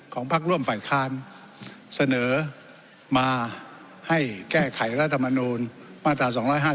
พักร่วมฝ่ายค้านเสนอมาให้แก้ไขรัฐมนูลมาตรา๒๕๖